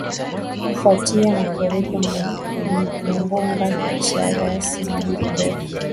kufuatia mafuriko na kumbunga cha yasi jiji perf